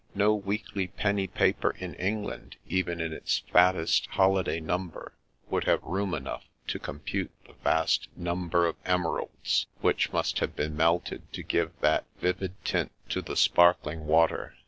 No weekly penny paper in England, even in its fattest holiday number, would have room enough to compute the vast num ber of emeralds which must have been melted to give that vivid tint to the sparkling water.